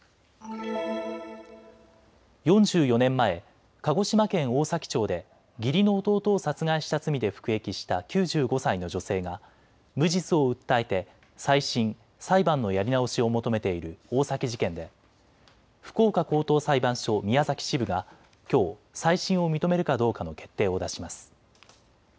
４４年前、鹿児島県大崎町で義理の弟を殺害した罪で服役した９５歳の女性が無実を訴えて再審・裁判のやり直しを求めている大崎事件で福岡高等裁判所宮崎支部がきょう再審を認めるかどうかの決定を出します。